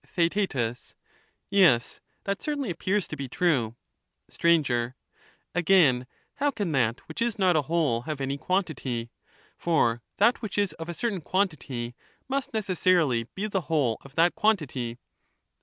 Theaet Yes, that certainly appears to be true. Str, Again ; how can that which is not a whole have any quantity ? For that which is of a certain quantity must neces sarily be the whole of that quantity.